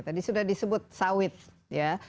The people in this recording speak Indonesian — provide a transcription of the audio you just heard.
tadi sudah disebut sawit ya